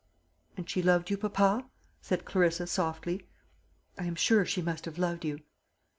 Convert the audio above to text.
"And she loved you, papa?" said Clarissa softly. "I am sure she must have loved you."